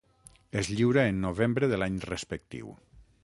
Es lliura en novembre de l'any respectiu.